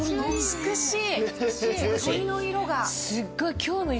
美しい。